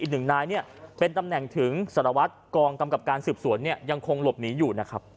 อีก๑นายเป็นตำแหน่งถึงสรวจกองตำกับการสืบสวนยังคงหลบหนีอยู่